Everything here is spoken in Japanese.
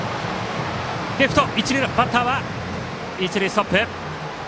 バッターは一塁ストップ。